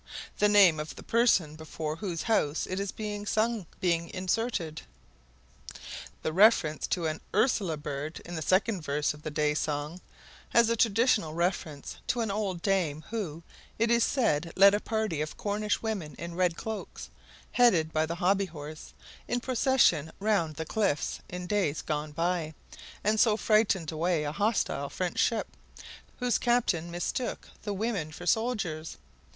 the name of the person before whose house it is being sung being inserted. The reference to "Un Ursula Bird" in the second verse of the Day Song has a traditional reference to an old dame who, it is said, led a party of Cornish women in red cloaks, headed by the Hobby Horse, in procession round the cliffs in days gone by and so frightened away a hostile French ship, whose captain mistook the women for soldiers.